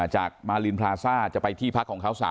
จากมารินพลาซ่าจะไปที่พักของเขา